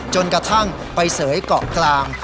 จนกระทั่งไปเสยเกาะกลาง